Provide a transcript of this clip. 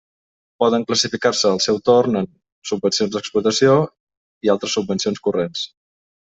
Poden classificar-se al seu torn en: subvencions d'explotació i altres subvencions corrents.